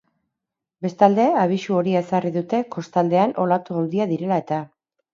Bestalde, abisu horia ezarri dute kostaldean olatu handiak direla eta.